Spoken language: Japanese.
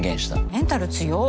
メンタル強っ。